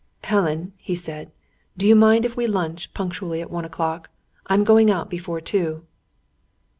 "Helen," he said, "do you mind if we lunch punctually at one o'clock? I am going out before two."